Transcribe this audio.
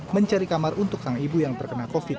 mencari kamar untuk sang ibu yang terkena covid sembilan